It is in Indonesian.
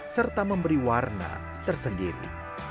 serta memberi warna tersendiri